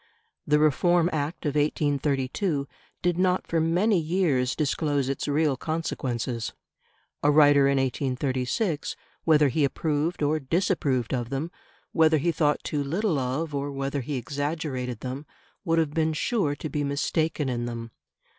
The Reform Act of 1832 did not for many years disclose its real consequences; a writer in 1836, whether he approved or disapproved of them, whether he thought too little of or whether he exaggerated them, would have been sure to be mistaken in them.